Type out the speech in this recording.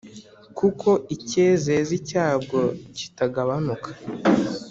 kuko icyezezi cyabwo kitagabanuka.